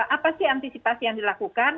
apa sih antisipasi yang dilakukan